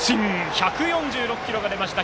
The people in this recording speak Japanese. １４６キロが出ました。